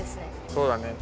そうだね。